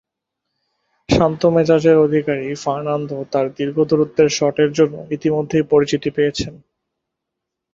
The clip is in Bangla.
শান্ত মেজাজের অধিকারী ফার্নান্দো তার দীর্ঘ দূরত্বের শটের জন্য ইতোমধ্যেই পরিচিতি পেয়েছেন।